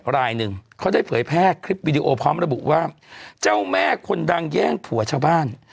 รายหนึ่งเขาได้เผยแพร่คลิปวิดีโอพร้อมระบุว่าเจ้าแม่คนดังแย่งผัวชาวบ้าน